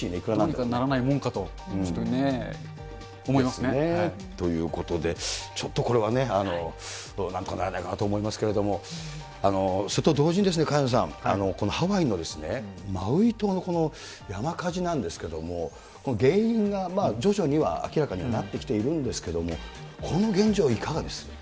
なんとかならないもんかと思ということで、ちょっと、これはね、なんとかならないかなと思いますけれども、それと同時に、萱野さん、このハワイのマウイ島のこの山火事なんですけれども、原因が徐々には明らかにはなってきているんですけれども、この現状、いかがです？